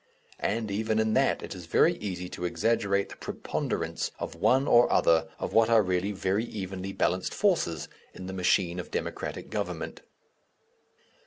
And even in that it is very easy to exaggerate the preponderance of one or other of what are really very evenly balanced forces in the machine of democratic government.